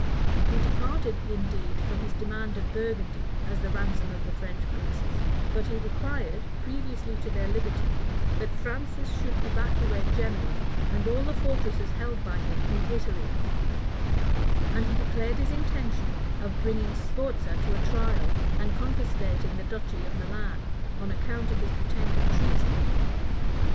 He departed, indeed, from his demand of Burgundy as the ransom of the French princes; but he required, previously to their liberty, that Francis should evacuate Genoa, and all the fortresses held by him in Italy; and he declared his intention of bringing Sforza to a trial, and confiscating the duchy of Milan, on account of his pretended treason.